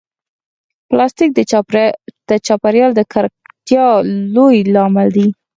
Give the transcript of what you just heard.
پلاستيک د چاپېریال د ککړتیا لوی لامل دی.